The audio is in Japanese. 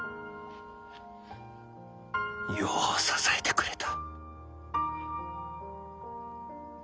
よう支えてくれた。